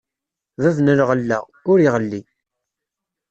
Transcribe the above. Bab n lɣella, ur iɣelli.